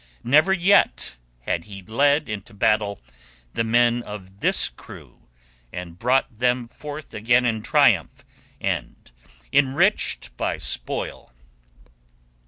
Never yet had he led into battle the men of this crew and brought them forth again in triumph and enriched by spoil.